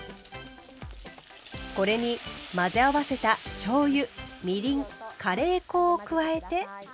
これに混ぜ合わせたしょうゆみりんカレー粉を加えて。